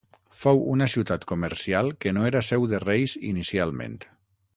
Fou una ciutat comercial que no era seu de reis inicialment.